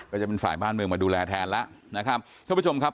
ก็จะเป็นฝ่ายบ้านเมืองมาดูแลแทนแล้วนะครับท่านผู้ชมครับ